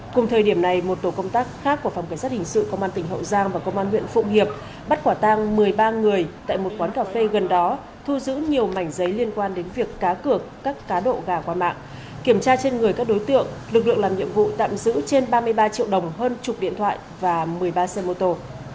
cùng thời điểm này một tổ công tác khác của phòng cảnh sát hình sự công an tỉnh hậu giang và công an huyện phụng hiệp bắt quả tang một mươi ba người tại một quán cà phê gần đó thu giữ nhiều mảnh giấy liên quan đến việc cá cược các cá độ gà qua mạng kiểm tra trên người các đối tượng lực lượng làm nhiệm vụ tạm giữ trên ba mươi ba triệu đồng hơn chục điện thoại và một mươi ba xe mô tô